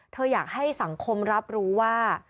อยากให้สังคมรับรู้ว่า